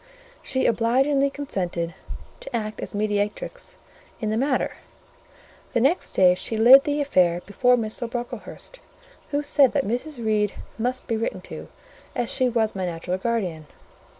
She obligingly consented to act as mediatrix in the matter. The next day she laid the affair before Mr. Brocklehurst, who said that Mrs. Reed must be written to, as she was my natural guardian.